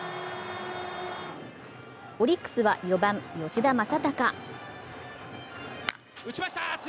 オリックスは４番・吉田正尚。